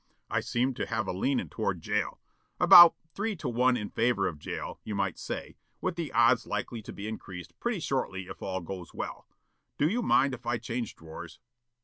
I seem to have a leanin' toward jail, about three to one in favor of jail, you might say, with the odds likely to be increased pretty shortly if all goes well. Do you mind if I change drawers?"